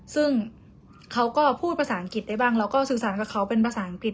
ซึ่งเขาก็พูดภาษาอังกฤษได้บ้างเราก็สื่อสารกับเขาเป็นภาษาอังกฤษ